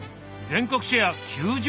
全国シェア９０％？